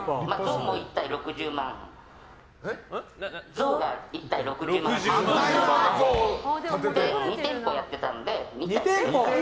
像も１体６０万で２店舗やってたので、２体。